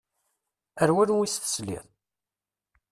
Ar wanwa i s-tesliḍ?